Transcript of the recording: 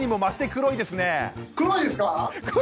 黒いですね。